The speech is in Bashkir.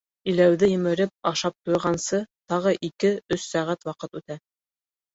Иләүҙе емереп ашап-туйғансы тағы ике-өс сәғәт ваҡыт үтә.